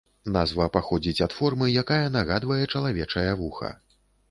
Назва паходзіць ад формы, якая нагадвае чалавечае вуха.